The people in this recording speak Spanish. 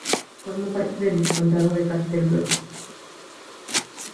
Formó parte del Vizcondado de Castellbó.